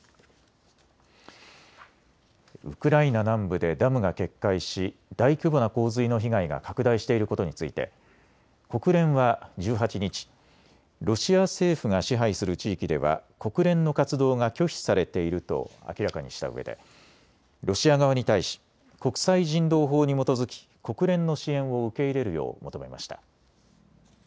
ウクライナ南部でダムが決壊し大規模な洪水の被害が拡大していることについて国連は１８日、ロシア政府が支配する地域では国連の活動が拒否されていると明らかにしたうえでロシア側に対し国際人道法に基づき国連の支援を受け入れるよう求めました。